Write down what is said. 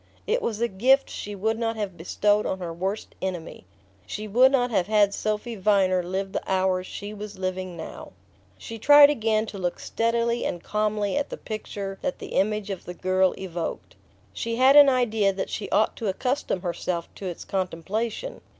It was a gift she would not have bestowed on her worst enemy. She would not have had Sophy Viner live the hours she was living now... She tried again to look steadily and calmly at the picture that the image of the girl evoked. She had an idea that she ought to accustom herself to its contemplation.